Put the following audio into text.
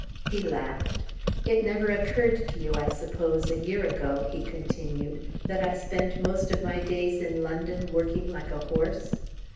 He laughed. "It never occurred to you, I suppose, a year ago," he continued, "that I spent most of my days in London working like a horse."